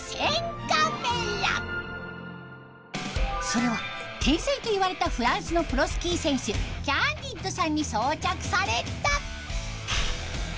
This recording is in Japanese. それは天才といわれたフランスのプロスキー選手キャンディッドさんに装着された。